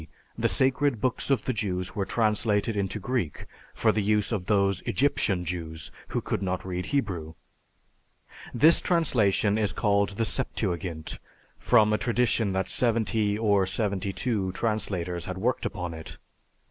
the sacred books of the Jews were translated into Greek for the use of those Egyptian Jews who could not read Hebrew. This translation is called the Septuagint, from a tradition that seventy or seventy two translators had worked upon it."